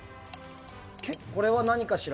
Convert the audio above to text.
これは何かしら。